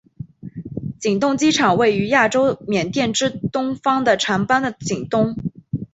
景栋机场位于亚洲的缅甸之东方的掸邦的景栋。